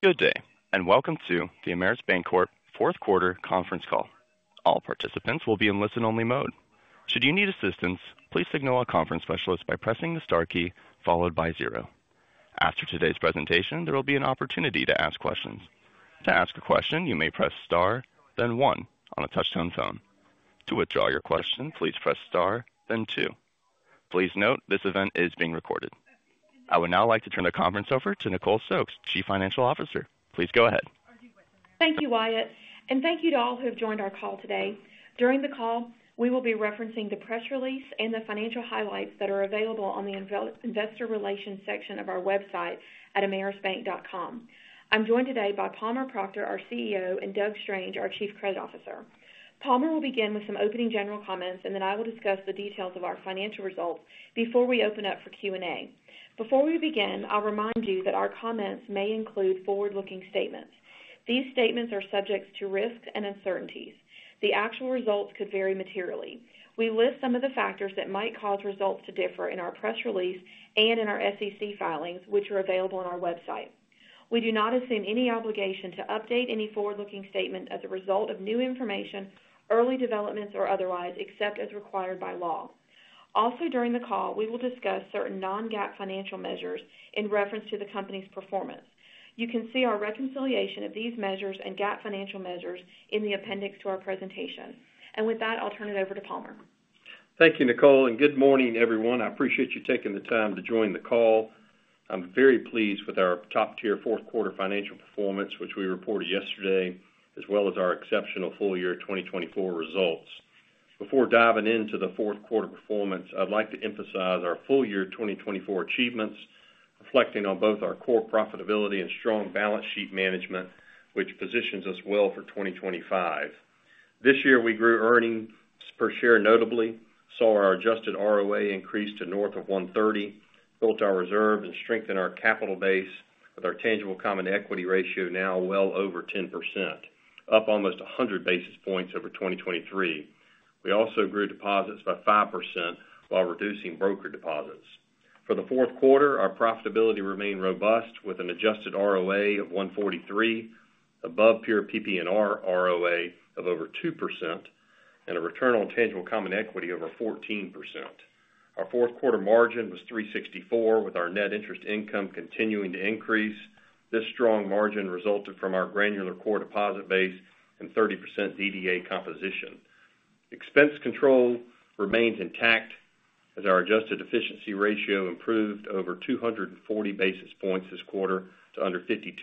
Good day, and welcome to the Ameris Bancorp Fourth Quarter Conference Call. All participants will be in listen-only mode. Should you need assistance, please signal a conference specialist by pressing the star key followed by zero. After today's presentation, there will be an opportunity to ask questions. To ask a question, you may press star, then one on a touch-tone phone. To withdraw your question, please press star, then two. Please note this event is being recorded. I would now like to turn the conference over to Nicole Stokes, Chief Financial Officer. Please go ahead. Thank you, Wyatt, and thank you to all who have joined our call today. During the call, we will be referencing the press release and the financial highlights that are available on the investor relations section of our website at amerisbank.com. I'm join ed today by Palmer Proctor, our CEO, and Doug Strange, our Chief Credit Officer. Palmer will begin with some opening general comments, and then I will discuss the details of our financial results before we open up for Q&A. Before we begin, I'll remind you that our comments may include forward-looking statements. These statements are subject to risks and uncertainties. The actual results could vary materially. We list some of the factors that might cause results to differ in our press release and in our SEC filings, which are available on our website. We do not assume any obligation to update any forward-looking statement as a result of new information, early developments, or otherwise, except as required by law. Also, during the call, we will discuss certain non-GAAP financial measures in reference to the company's performance. You can see our reconciliation of these measures and GAAP financial measures in the appendix to our presentation. With that, I'll turn it over to Palmer. Thank you, Nicole, and good morning, everyone. I appreciate you taking the time to join the call. I'm very pleased with our top-tier fourth-quarter financial performance, which we reported yesterday, as well as our exceptional full-year 2024 results. Before diving into the fourth-quarter performance, I'd like to emphasize our full-year 2024 achievements, reflecting on both our core profitability and strong balance sheet management, which positions us well for 2025. This year, we grew earnings per share notably, saw our adjusted ROA increase to north of 130, built our reserve, and strengthened our capital base with our tangible common equity ratio now well over 10%, up almost 100 basis points over 2023. We also grew deposits by 5% while reducing brokered deposits. For the fourth quarter, our profitability remained robust with an adjusted ROA of 143, above peer PPNR ROA of over 2%, and a return on tangible common equity over 14%. Our fourth-quarter margin was 364, with our net interest income continuing to increase. This strong margin resulted from our granular core deposit base and 30% DDA composition. Expense control remained intact as our adjusted efficiency ratio improved over 240 basis points this quarter to under 52%.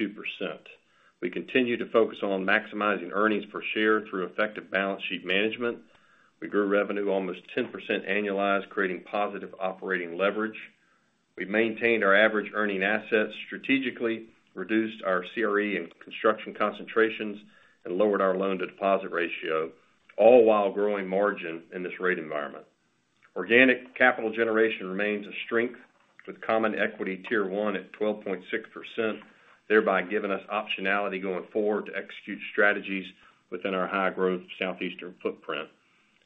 We continue to focus on maximizing earnings per share through effective balance sheet management. We grew revenue almost 10% annualized, creating positive operating leverage. We maintained our average earning assets strategically, reduced our CRE and construction concentrations, and lowered our loan-to-deposit ratio, all while growing margin in this rate environment. Organic capital generation remains a strength with Common Equity Tier 1 at 12.6%, thereby giving us optionality going forward to execute strategies within our high-growth southeastern footprint.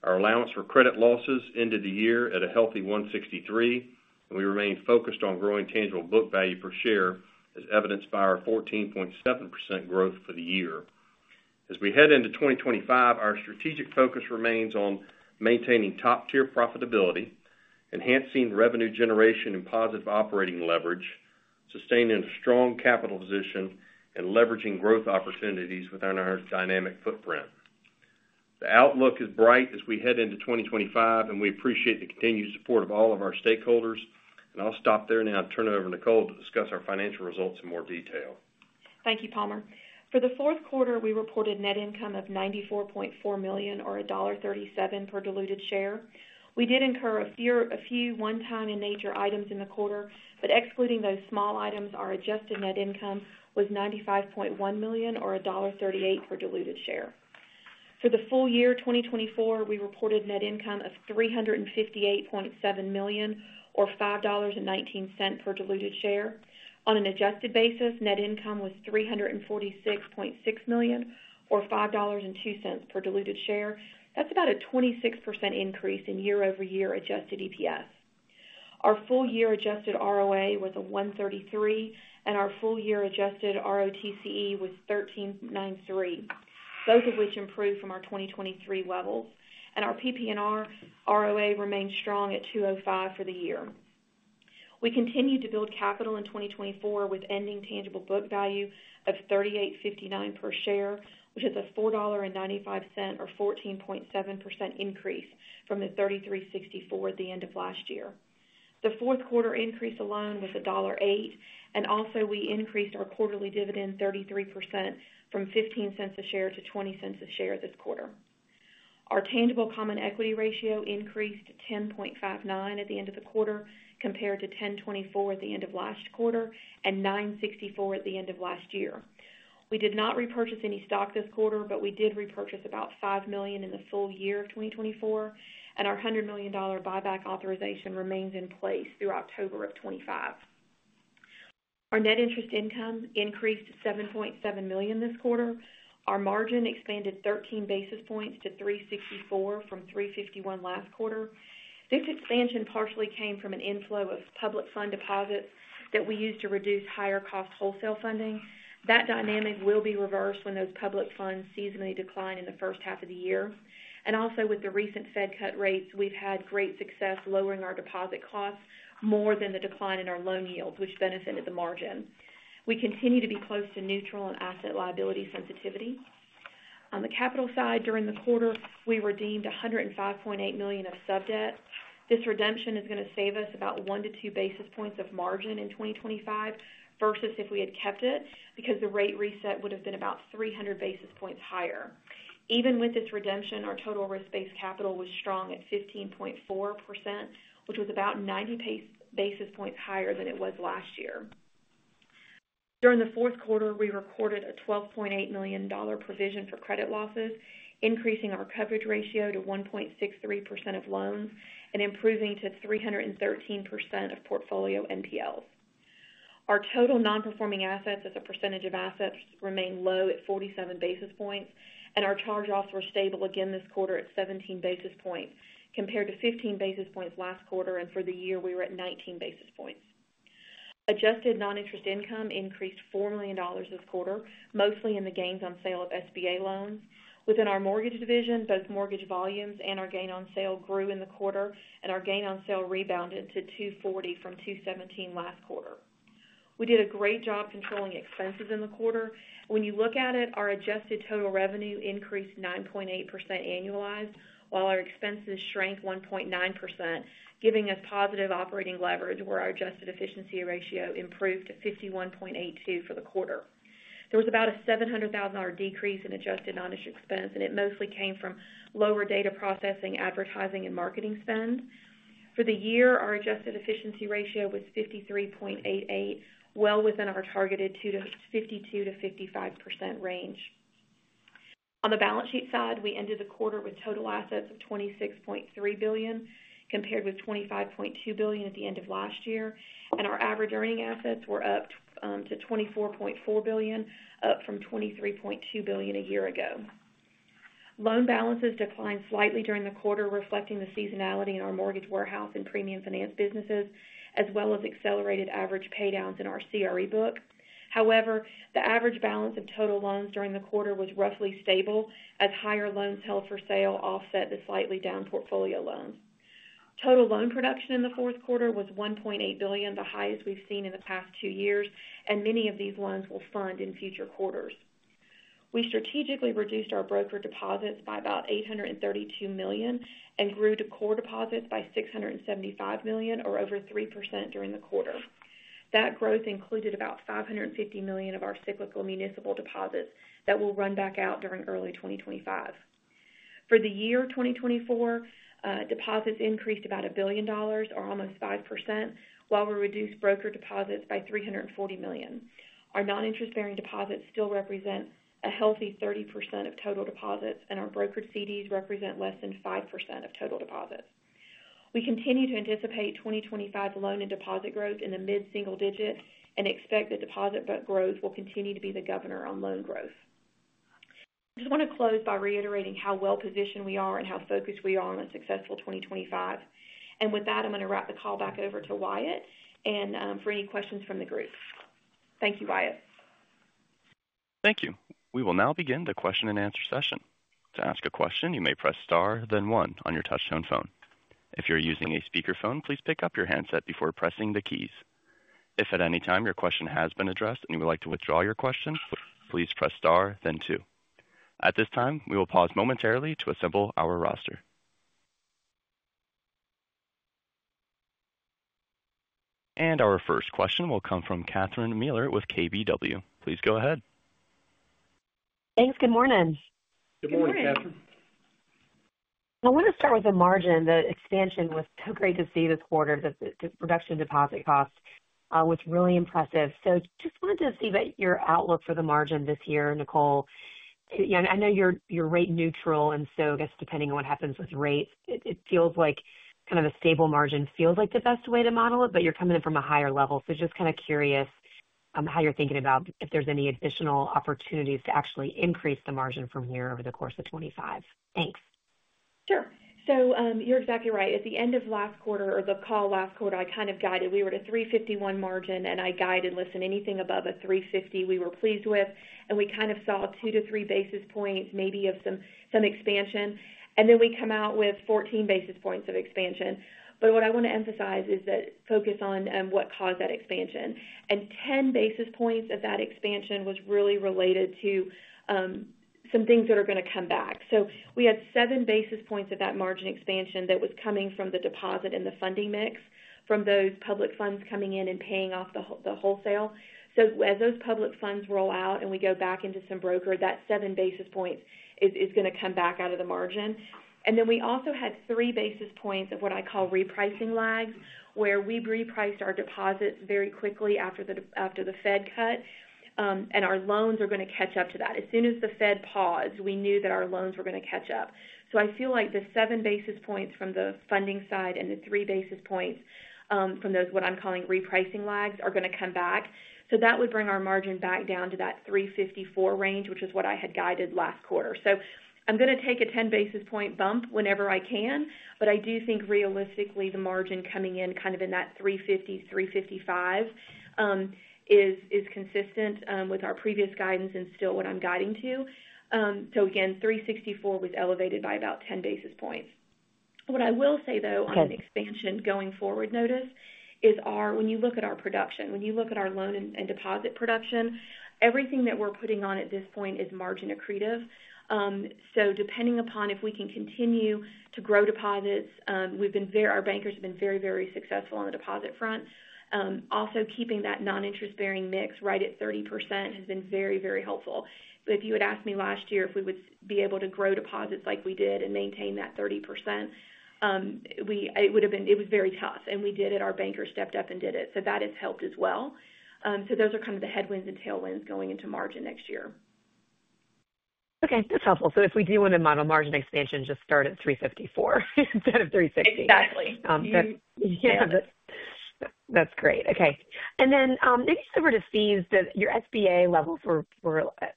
Our allowance for credit losses ended the year at a healthy 163, and we remain focused on growing tangible book value per share, as evidenced by our 14.7% growth for the year. As we head into 2025, our strategic focus remains on maintaining top-tier profitability, enhancing revenue generation and positive operating leverage, sustaining a strong capital position, and leveraging growth opportunities within our dynamic footprint. The outlook is bright as we head into 2025, and we appreciate the continued support of all of our stakeholders. And I'll stop there now and turn it over to Nicole to discuss our financial results in more detail. Thank you, Palmer. For the fourth quarter, we reported net income of $94.4 million or $1.37 per diluted share. We did incur a few one-time-in-nature items in the quarter, but excluding those small items, our adjusted net income was $95.1 million or $1.38 per diluted share. For the full year 2024, we reported net income of $358.7 million or $5.19 per diluted share. On an adjusted basis, net income was $346.6 million or $5.02 per diluted share. That's about a 26% increase in year-over-year adjusted EPS. Our full-year adjusted ROA was 133, and our full-year adjusted ROTCE was 1393, both of which improved from our 2023 levels. And our PPNR ROA remained strong at 205 for the year. We continued to build capital in 2024 with ending tangible book value of $38.59 per share, which is a $4.95 or 14.7% increase from the $33.64 at the end of last year. The fourth-quarter increase alone was $1.08, and also we increased our quarterly dividend 33% from $0.15 a share to $0.20 a share this quarter. Our tangible common equity ratio increased to 10.59 at the end of the quarter compared to 10.24 at the end of last quarter and 9.64 at the end of last year. We did not repurchase any stock this quarter, but we did repurchase about five million in the full year of 2024, and our $100 million buyback authorization remains in place through October of 2025. Our net interest income increased to $7.7 million this quarter. Our margin expanded 13 basis points to 364 from 351 last quarter. This expansion partially came from an inflow of public funds deposits that we used to reduce higher-cost wholesale funding. That dynamic will be reversed when those public funds seasonally decline in the first half of the year. And also, with the recent Fed cut rates, we've had great success lowering our deposit costs more than the decline in our loan yields, which benefited the margin. We continue to be close to neutral on asset liability sensitivity. On the capital side, during the quarter, we redeemed $105.8 million of sub-debt. This redemption is going to save us about one to two basis points of margin in 2025 versus if we had kept it because the rate reset would have been about 300 basis points higher. Even with this redemption, our total risk-based capital was strong at 15.4%, which was about 90 basis points higher than it was last year. During the fourth quarter, we recorded a $12.8 million provision for credit losses, increasing our coverage ratio to 1.63% of loans and improving to 313% of portfolio NPLs. Our total non-performing assets as a percentage of assets remained low at 47 basis points, and our charge-offs were stable again this quarter at 17 basis points compared to 15 basis points last quarter, and for the year, we were at 19 basis points. Adjusted non-interest income increased $4 million this quarter, mostly in the gains on sale of SBA loans. Within our mortgage division, both mortgage volumes and our gain on sale grew in the quarter, and our gain on sale rebounded to 240 from 217 last quarter. We did a great job controlling expenses in the quarter. When you look at it, our adjusted total revenue increased 9.8% annualized, while our expenses shrank 1.9%, giving us positive operating leverage where our adjusted efficiency ratio improved to 51.82 for the quarter. There was about a $700,000 decrease in adjusted non-interest expense, and it mostly came from lower data processing, advertising, and marketing spend. For the year, our adjusted efficiency ratio was 53.88%, well within our targeted 52%–55% range. On the balance sheet side, we ended the quarter with total assets of $26.3 billion compared with $25.2 billion at the end of last year, and our average earning assets were up to $24.4 billion, up from $23.2 billion a year ago. Loan balances declined slightly during the quarter, reflecting the seasonality in our mortgage warehouse and premium finance businesses, as well as accelerated average paydowns in our CRE book. However, the average balance of total loans during the quarter was roughly stable as higher loans held for sale offset the slightly down portfolio loans. Total loan production in the fourth quarter was $1.8 billion, the highest we've seen in the past two years, and many of these loans will fund in future quarters. We strategically reduced our brokered deposits by about $832 million and grew core deposits by $675 million, or over 3% during the quarter. That growth included about $550 million of our cyclical municipal deposits that will run back out during early 2025. For the year 2024, deposits increased about $1 billion, or almost 5%, while we reduced brokered deposits by $340 million. Our non-interest-bearing deposits still represent a healthy 30% of total deposits, and our brokered CDs represent less than 5% of total deposits. We continue to anticipate 2025 loan and deposit growth in the mid-single digit and expect that deposit growth will continue to be the governor on loan growth. I just want to close by reiterating how well-positioned we are and how focused we are on a successful 2025. And with that, I'm going to wrap the call back over to Wyatt and for any questions from the group. Thank you, Wyatt. Thank you. We will now begin the question-and-answer session. To ask a question, you may press star, then one on your touch-tone phone. If you're using a speakerphone, please pick up your handset before pressing the keys. If at any time your question has been addressed and you would like to withdraw your question, please press star, then two. At this time, we will pause momentarily to assemble our roster, and our first question will come from Catherine Mealor with KBW. Please go ahead. Thanks. Good morning. Good morning, Catherine. I want to start with the margin. The expansion was so great to see this quarter. The production deposit costs was really impressive. So just wanted to see your outlook for the margin this year, Nicole. I know you're rate neutral, and so I guess depending on what happens with rates, it feels like kind of a stable margin feels like the best way to model it, but you're coming in from a higher level. So just kind of curious how you're thinking about if there's any additional opportunities to actually increase the margin from here over the course of 2025. Thanks. Sure. So you're exactly right. At the end of last quarter, or the call last quarter, I kind of guided. We were at a 351 margin, and I guided, "Listen, anything above a 350, we were pleased with." And we kind of saw two to three basis points maybe of some expansion, and then we come out with 14 basis points of expansion. But what I want to emphasize is that focus on what caused that expansion. And 10 basis points of that expansion was really related to some things that are going to come back. So we had seven basis points of that margin expansion that was coming from the deposit and the funding mix from those public funds coming in and paying off the wholesale. So, as those public funds roll out and we go back into some broker, that seven basis points is going to come back out of the margin. And then we also had three basis points of what I call repricing lags, where we repriced our deposits very quickly after the Fed cut, and our loans are going to catch up to that. As soon as the Fed paused, we knew that our loans were going to catch up. So I feel like the seven basis points from the funding side and the three basis points from those what I'm calling repricing lags are going to come back. So that would bring our margin back down to that 354 range, which is what I had guided last quarter. So I'm going to take a 10 basis point bump whenever I can, but I do think realistically the margin coming in kind of in that 350-355 is consistent with our previous guidance and still what I'm guiding to. So again, 364 was elevated by about 10 basis points. What I will say, though, on the expansion going forward notice is when you look at our production, when you look at our loan and deposit production, everything that we're putting on at this point is margin accretive. So depending upon if we can continue to grow deposits, our bankers have been very, very successful on the deposit front. Also, keeping that non-interest-bearing mix right at 30% has been very, very helpful. But if you had asked me last year if we would be able to grow deposits like we did and maintain that 30%, it would have been very tough, and we did it. Our banker stepped up and did it. So those are kind of the headwinds and tailwinds going into margin next year. Okay. That's helpful. So if we do want to model margin expansion, just start at 354 instead of 360. Exactly. Yeah. That's great. Okay. And then maybe just over to fees, your SBA levels were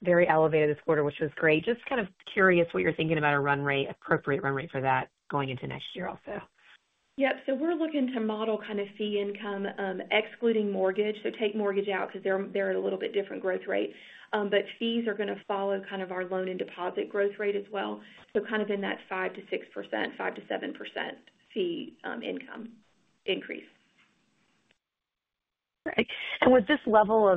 very elevated this quarter, which was great. Just kind of curious what you're thinking about a run rate, appropriate run rate for that going into next year also. Yep. So we're looking to model kind of fee income excluding mortgage. So take mortgage out because they're at a little bit different growth rate. But fees are going to follow kind of our loan and deposit growth rate as well. So kind of in that 5% to 6%, 5% to 7% fee income increase. All right. And was this level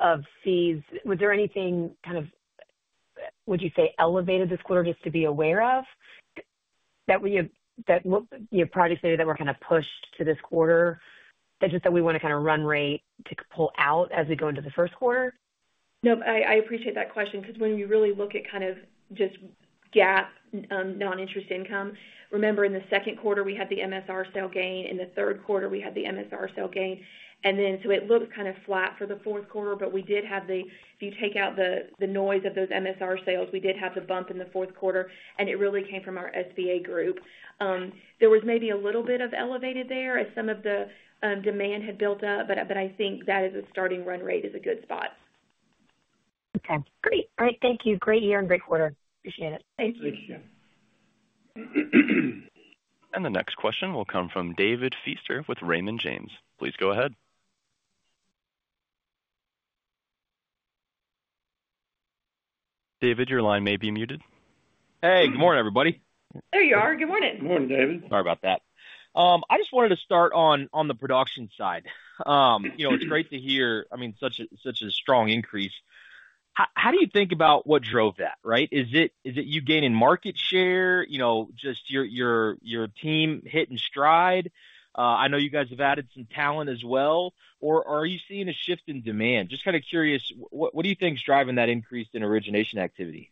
of fees, was there anything kind of, would you say, elevated this quarter just to be aware of that you've probably stated that we're kind of pushed to this quarter, that we want to kind of run rate to pull out as we go into the first quarter? Nope. I appreciate that question because when you really look at kind of just GAAP non-interest income, remember in the second quarter, we had the MSR sale gain. In the third quarter, we had the MSR sale gain. And then so it looks kind of flat for the fourth quarter, but we did have, if you take out the noise of those MSR sales, we did have the bump in the fourth quarter, and it really came from our SBA group. There was maybe a little bit of elevated there as some of the demand had built up, but I think that as a starting run rate is a good spot. Okay. Great. All right. Thank you. Great year and great quarter. Appreciate it. Thank you. Thank you. And the next question will come from David Feaster with Raymond James. Please go ahead. David, your line may be muted. Hey. Good morning, everybody. There you are. Good morning. Good morning, David. Sorry about that. I just wanted to start on the production side. It's great to hear, I mean, such a strong increase. How do you think about what drove that? Right? Is it you gaining market share, just your team hitting stride? I know you guys have added some talent as well. Or are you seeing a shift in demand? Just kind of curious, what do you think's driving that increase in origination activity?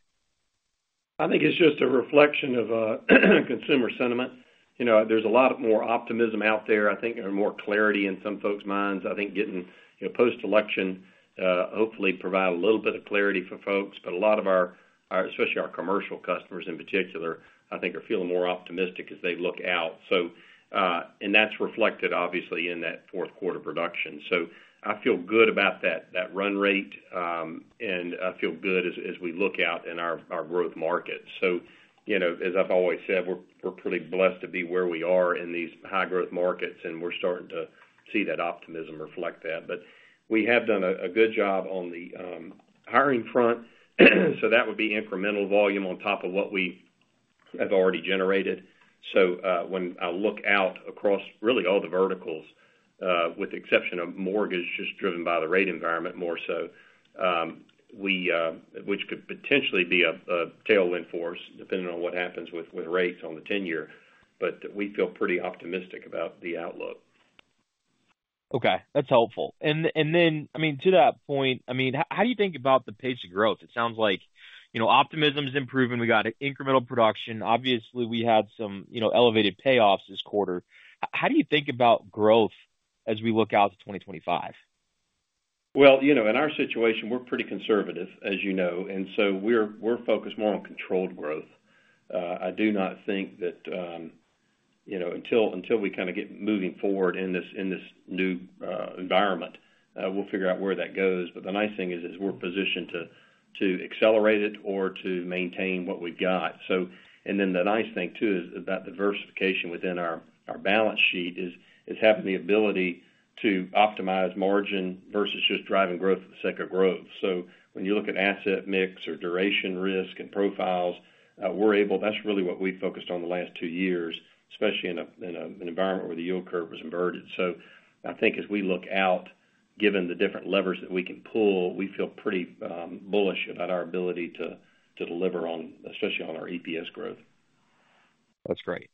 I think it's just a reflection of consumer sentiment. There's a lot more optimism out there, I think, and more clarity in some folks' minds. I think getting post-election hopefully provides a little bit of clarity for folks, but a lot of our, especially our commercial customers in particular, I think are feeling more optimistic as they look out. And that's reflected, obviously, in that fourth quarter production. So I feel good about that run rate, and I feel good as we look out in our growth markets. So as I've always said, we're pretty blessed to be where we are in these high-growth markets, and we're starting to see that optimism reflect that. But we have done a good job on the hiring front. So that would be incremental volume on top of what we have already generated. So, when I look out across really all the verticals, with the exception of mortgage, just driven by the rate environment more so, which could potentially be a tailwind for us depending on what happens with rates on the 10-year, but we feel pretty optimistic about the outlook. Okay. That's helpful. And then, I mean, to that point, I mean, how do you think about the pace of growth? It sounds like optimism is improving. We got incremental production. Obviously, we had some elevated payoffs this quarter. How do you think about growth as we look out to 2025? In our situation, we're pretty conservative, as you know, and so we're focused more on controlled growth. I do not think that until we kind of get moving forward in this new environment, we'll figure out where that goes. But the nice thing is we're positioned to accelerate it or to maintain what we've got. And then the nice thing too is that the diversification within our balance sheet is having the ability to optimize margin versus just driving growth for the sake of growth. So when you look at asset mix or duration risk and profiles, we're able—that's really what we focused on the last two years, especially in an environment where the yield curve was inverted. So I think as we look out, given the different levers that we can pull, we feel pretty bullish about our ability to deliver, especially on our EPS growth. That's great.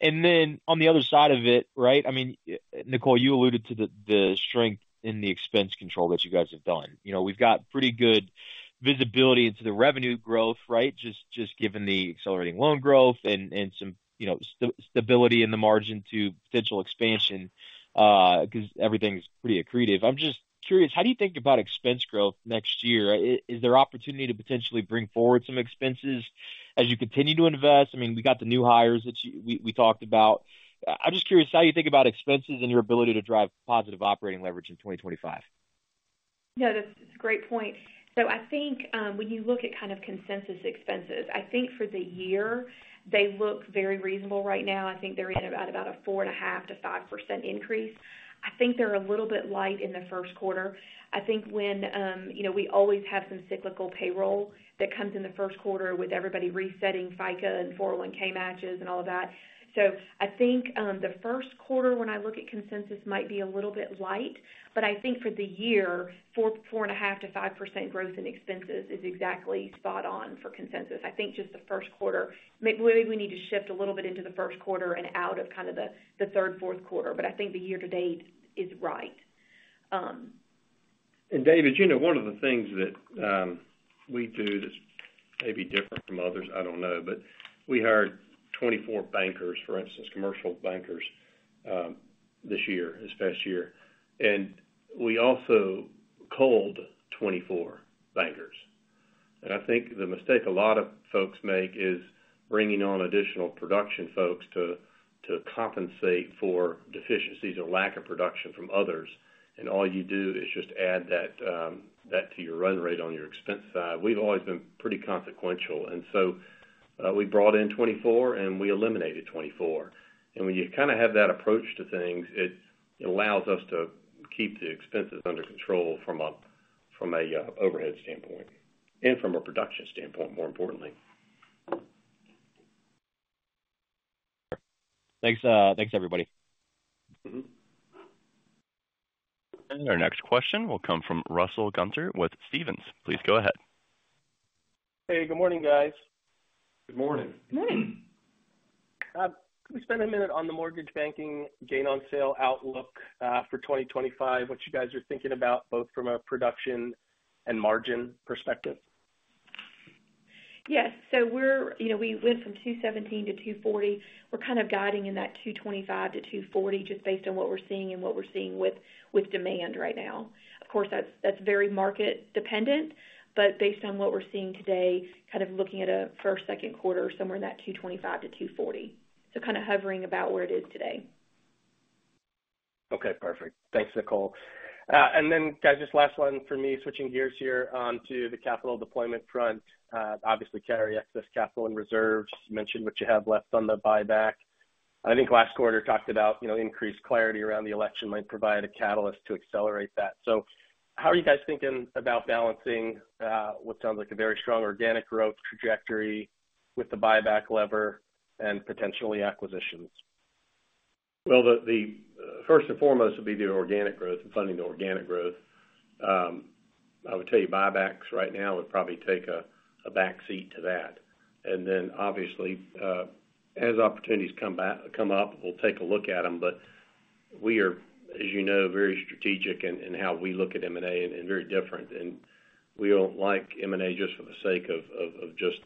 And then on the other side of it, right, I mean, Nicole, you alluded to the strength in the expense control that you guys have done. We've got pretty good visibility into the revenue growth, right, just given the accelerating loan growth and some stability in the margin to potential expansion because everything's pretty accretive. I'm just curious, how do you think about expense growth next year? Is there opportunity to potentially bring forward some expenses as you continue to invest? I mean, we got the new hires that we talked about. I'm just curious how you think about expenses and your ability to drive positive operating leverage in 2025. Yeah. That's a great point. So I think when you look at kind of consensus expenses, I think for the year, they look very reasonable right now. I think they're at about a 4.5%-5% increase. I think they're a little bit light in the first quarter. I think when we always have some cyclical payroll that comes in the first quarter with everybody resetting FICA and 401(k) matches and all of that. So I think the first quarter, when I look at consensus, might be a little bit light, but I think for the year, 4.5%-5% growth in expenses is exactly spot on for consensus. I think just the first quarter, maybe we need to shift a little bit into the first quarter and out of kind of the third, fourth quarter, but I think the year-to-date is right. And David, one of the things that we do that's maybe different from others, I don't know, but we hired 24 bankers, for instance, commercial bankers this year, this past year. And we also culled 24 bankers. And I think the mistake a lot of folks make is bringing on additional production folks to compensate for deficiencies or lack of production from others. And all you do is just add that to your run rate on your expense side. We've always been pretty consequential. And so we brought in 24, and we eliminated 24. And when you kind of have that approach to things, it allows us to keep the expenses under control from an overhead standpoint and from a production standpoint, more importantly. Thanks, everybody. Our next question will come from Russell Gunther with Stephens. Please go ahead. Hey. Good morning, guys. Good morning. Good morning. Can we spend a minute on the mortgage banking gain-on-sale outlook for 2025, what you guys are thinking about both from a production and margin perspective? Yes. So we went from 217–240. We're kind of guiding in that 225–240 just based on what we're seeing and what we're seeing with demand right now. Of course, that's very market-dependent, but based on what we're seeing today, kind of looking at a first, second quarter, somewhere in that 225 to 240. So kind of hovering about where it is today. Okay. Perfect. Thanks, Nicole. And then, guys, just last one for me, switching gears here onto the capital deployment front. Obviously, carry excess capital and reserves. You mentioned what you have left on the buyback. I think last quarter talked about increased clarity around the election might provide a catalyst to accelerate that. So how are you guys thinking about balancing what sounds like a very strong organic growth trajectory with the buyback lever and potentially acquisitions? First and foremost would be the organic growth and funding the organic growth. I would tell you buybacks right now would probably take a backseat to that. And then, obviously, as opportunities come up, we'll take a look at them. But we are, as you know, very strategic in how we look at M&A and very different. And we don't like M&A just for the sake of just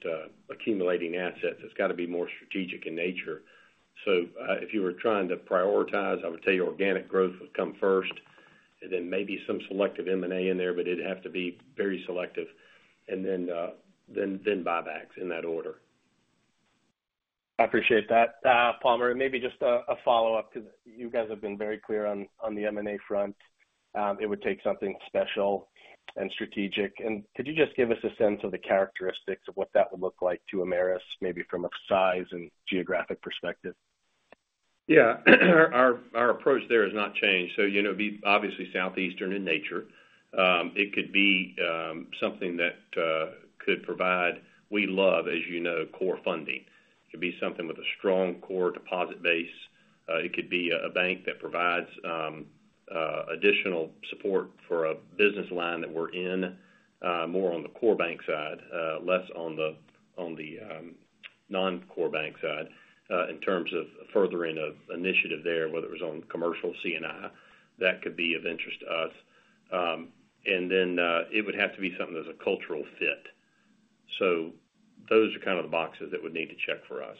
accumulating assets. It's got to be more strategic in nature. So if you were trying to prioritize, I would tell you organic growth would come first, and then maybe some selective M&A in there, but it'd have to be very selective, and then buybacks in that order. I appreciate that. Palmer, maybe just a follow-up because you guys have been very clear on the M&A front. It would take something special and strategic. And could you just give us a sense of the characteristics of what that would look like to Ameris, maybe from a size and geographic perspective? Yeah. Our approach there has not changed. So obviously, southeastern in nature. It could be something that could provide, we love, as you know, core funding. It could be something with a strong core deposit base. It could be a bank that provides additional support for a business line that we're in, more on the core bank side, less on the non-core bank side in terms of furthering an initiative there, whether it was on commercial, C&I. That could be of interest to us. And then it would have to be something that's a cultural fit. So those are kind of the boxes that would need to check for us.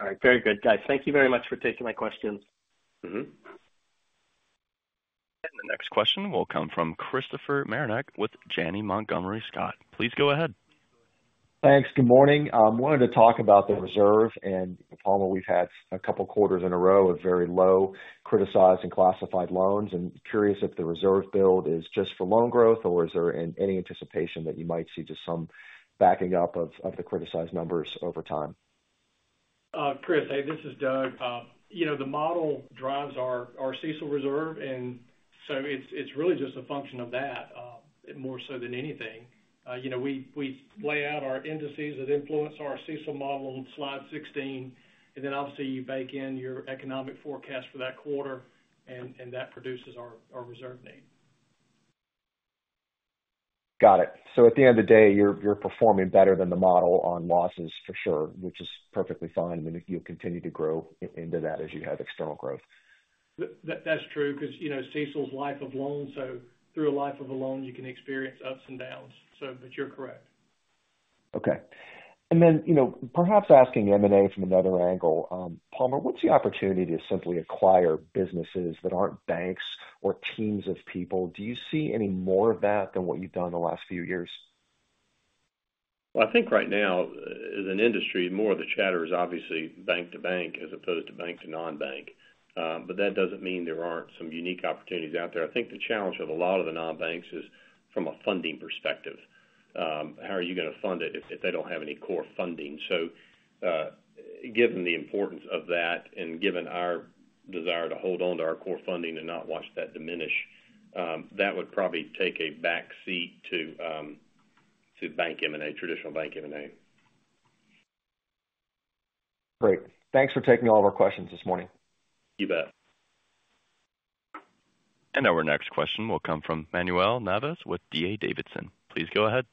All right. Very good. Guys, thank you very much for taking my questions. The next question will come from Christopher Marinac with Janney Montgomery Scott. Please go ahead. Thanks. Good morning. I wanted to talk about the reserve. Palmer, we've had a couple of quarters in a row of very low criticized and classified loans. I'm curious if the reserve build is just for loan growth, or is there any anticipation that you might see just some backing up of the criticized numbers over time? Chris, hey, this is Doug. The model drives our CECL reserve, and so it's really just a function of that more so than anything. We lay out our indices that influence our CECL model on slide 16, and then obviously you bake in your economic forecast for that quarter, and that produces our reserve need. Got it. So at the end of the day, you're performing better than the model on losses for sure, which is perfectly fine. I mean, you'll continue to grow into that as you have external growth. That's true because CECL's life of loans, so through a life of a loan, you can experience ups and downs. But you're correct. Okay. And then perhaps asking M&A from another angle, Palmer, what's the opportunity to simply acquire businesses that aren't banks or teams of people? Do you see any more of that than what you've done the last few years? I think right now, as an industry, more of the chatter is obviously bank to bank as opposed to bank to non-bank. But that doesn't mean there aren't some unique opportunities out there. I think the challenge of a lot of the non-banks is from a funding perspective. How are you going to fund it if they don't have any core funding? So given the importance of that and given our desire to hold on to our core funding and not watch that diminish, that would probably take a backseat to traditional bank M&A. Great. Thanks for taking all of our questions this morning. You bet. Our next question will come from Manuel Navas with D.A. Davidson. Please go ahead.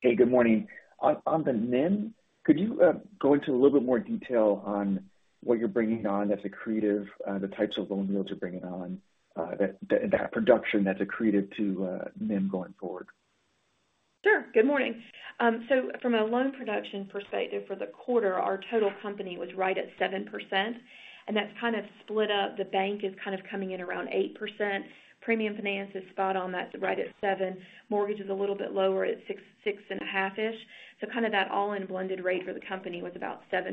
Hey. Good morning. On the NIM, could you go into a little bit more detail on what you're bringing on that's accretive, the types of loan deals you're bringing on, that production that's accretive to NIM going forward? Sure. Good morning. So from a loan production perspective, for the quarter, our total company was right at 7%. And that's kind of split up. The bank is kind of coming in around 8%. Premium finance is spot on. That's right at 7%. Mortgage is a little bit lower at 6.5%-ish. So kind of that all-in blended rate for the company was about 7%.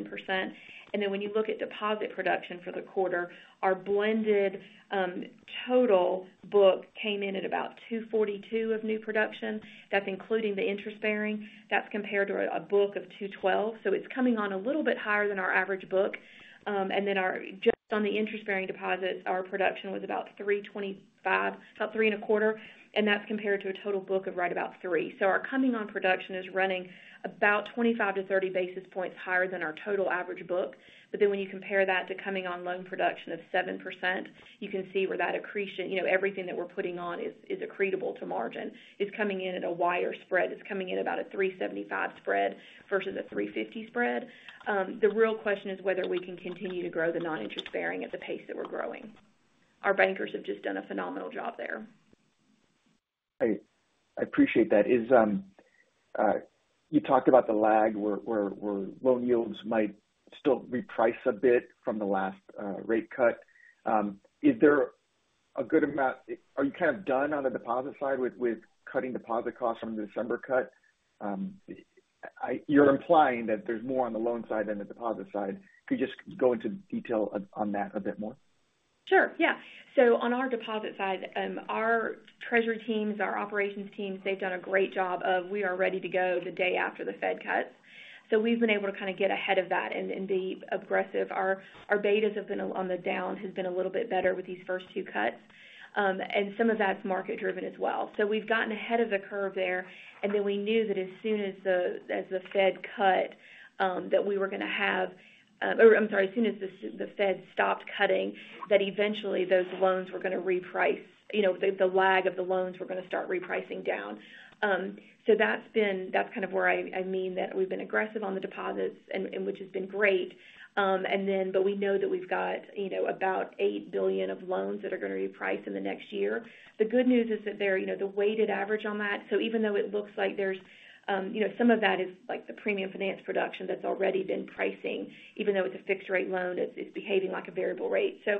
And then when you look at deposit production for the quarter, our blended total book came in at about 242 of new production. That's including the interest-bearing. That's compared to a book of 212. So it's coming on a little bit higher than our average book. And then just on the interest-bearing deposits, our production was about 325, about 3.25%, and that's compared to a total book of right about 3%. So our coming-on production is running about 25-30 basis points higher than our total average book. But then when you compare that to coming-on loan production of 7%, you can see where that accretion, everything that we're putting on is accretible to margin, is coming in at a wire spread. It's coming in about a 375 spread versus a 350 spread. The real question is whether we can continue to grow the non-interest bearing at the pace that we're growing. Our bankers have just done a phenomenal job there. I appreciate that. You talked about the lag where loan yields might still reprice a bit from the last rate cut. Is there a good amount? Are you kind of done on the deposit side with cutting deposit costs from the December cut? You're implying that there's more on the loan side than the deposit side. Could you just go into detail on that a bit more? Sure. Yeah. So on our deposit side, our treasury teams, our operations teams, they've done a great job of, "We are ready to go the day after the Fed cuts." So we've been able to kind of get ahead of that and be aggressive. Our betas have been on the down has been a little bit better with these first two cuts. And some of that's market-driven as well. So we've gotten ahead of the curve there. And then we knew that as soon as the Fed cut, that we were going to have, or I'm sorry, as soon as the Fed stopped cutting, that eventually those loans were going to reprice. The lag of the loans were going to start repricing down. So that's kind of where I mean that we've been aggressive on the deposits, which has been great. But we know that we've got about $8 billion of loans that are going to reprice in the next year. The good news is that the weighted average on that, so even though it looks like there's some of that is the premium finance production that's already been pricing, even though it's a fixed-rate loan, it's behaving like a variable rate. So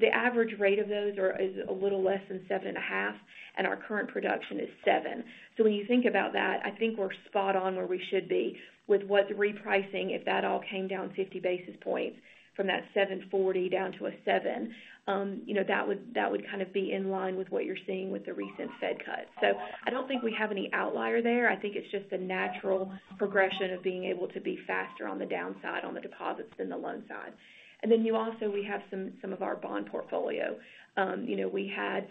the average rate of those is a little less than 7.5, and our current production is 7. So when you think about that, I think we're spot on where we should be with what the repricing, if that all came down 50 basis points from that 740 down to a 7, that would kind of be in line with what you're seeing with the recent Fed cuts. So I don't think we have any outlier there. I think it's just a natural progression of being able to be faster on the downside on the deposits than the loan side, and then also we have some of our bond portfolio. We had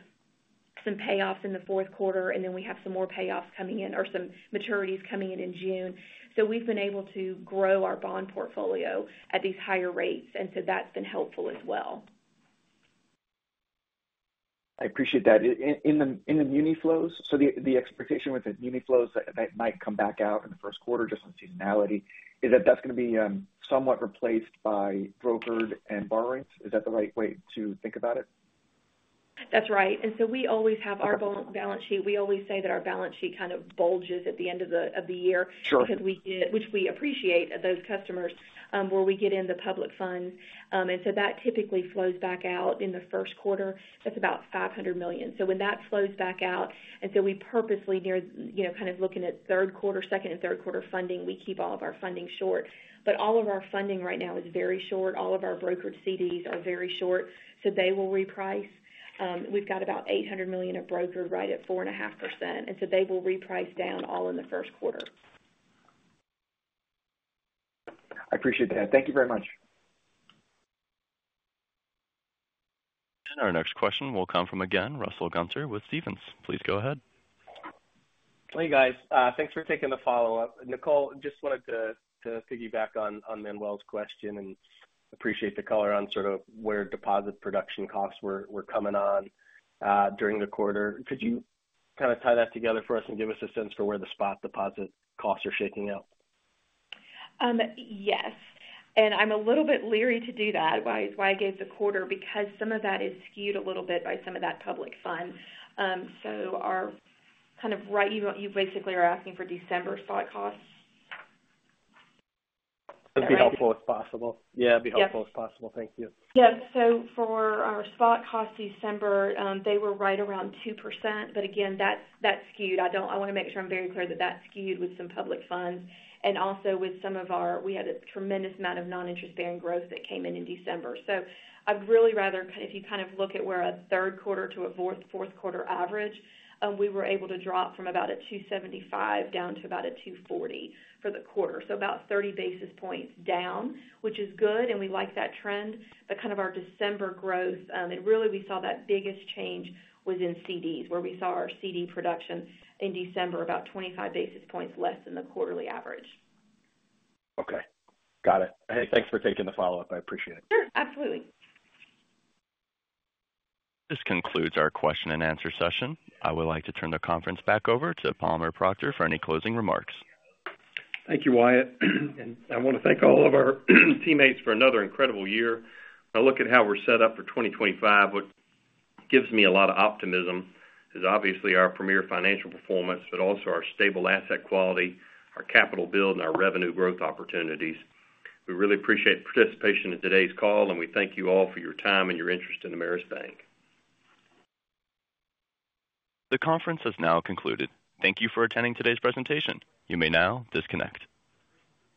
some payoffs in the fourth quarter, and then we have some more payoffs coming in or some maturities coming in in June, so we've been able to grow our bond portfolio at these higher rates, and so that's been helpful as well. I appreciate that. In the muni flows, so the expectation with the muni flows that might come back out in the first quarter, just on seasonality, is that that's going to be somewhat replaced by brokered and borrowings. Is that the right way to think about it? That's right. And so we always have our balance sheet. We always say that our balance sheet kind of bulges at the end of the year, which we appreciate at those customers where we get in the public funds. And so that typically flows back out in the first quarter. That's about $500 million. So when that flows back out, and so we purposely, kind of looking at third quarter, second and third quarter funding, we keep all of our funding short. But all of our funding right now is very short. All of our brokered CDs are very short, so they will reprice. We've got about $800 million of brokered right at 4.5%. And so they will reprice down all in the first quarter. I appreciate that. Thank you very much. And our next question will come from again, Russell Gunther with Stephens. Please go ahead. Hey, guys. Thanks for taking the follow-up. Nicole, just wanted to piggyback on Manuel's question and appreciate the color on sort of where deposit production costs were coming on during the quarter. Could you kind of tie that together for us and give us a sense for where the spot deposit costs are shaking out? Yes. And I'm a little bit leery to do that, why I gave the quarter, because some of that is skewed a little bit by some of that public funds. So kind of right, you basically are asking for December spot costs? That'd be helpful if possible. Yeah, it'd be helpful if possible. Thank you. Yeah. So for our spot costs December, they were right around 2%. But again, that's skewed. I want to make sure I'm very clear that that's skewed with some public funds and also with some of our—we had a tremendous amount of non-interest-bearing growth that came in in December. So I'd really rather if you kind of look at where a third quarter to a fourth quarter average, we were able to drop from about a 275 down to about a 240 for the quarter. So about 30 basis points down, which is good, and we like that trend. But kind of our December growth, and really we saw that biggest change was in CDs, where we saw our CD production in December about 25 basis points less than the quarterly average. Okay. Got it. Hey, thanks for taking the follow-up. I appreciate it. Sure. Absolutely. This concludes our question and answer session. I would like to turn the conference back over to Palmer Proctor for any closing remarks. Thank you, Wyatt. And I want to thank all of our teammates for another incredible year. I look at how we're set up for 2025, what gives me a lot of optimism is obviously our premier financial performance, but also our stable asset quality, our capital build, and our revenue growth opportunities. We really appreciate the participation in today's call, and we thank you all for your time and your interest in Ameris Bancorp. The conference has now concluded. Thank you for attending today's presentation. You may now disconnect.